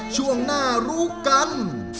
ช่วงหน้ารู้กัน